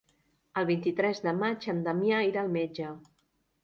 El vint-i-tres de maig en Damià irà al metge.